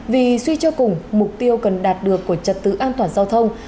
vì suy cho cùng mục tiêu cần đạt được của trật tự an toàn giao thông